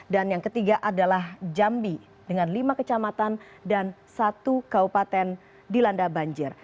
dan yang ketiga adalah jambi dengan lima kecamatan dan satu kabupaten dilanda banjir